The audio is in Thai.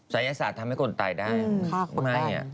ศัยศาสตร์ทำให้คนตายได้ไม่